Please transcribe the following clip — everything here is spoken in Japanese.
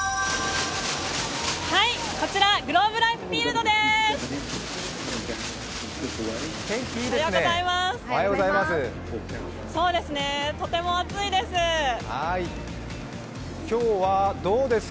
こちらグローブライフ・フィールドです。